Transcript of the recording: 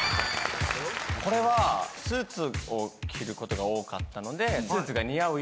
これはスーツを着ることが多かったので。